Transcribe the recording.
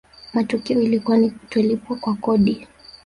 matokeo ilikuwa ni kutolipwa kwa kodi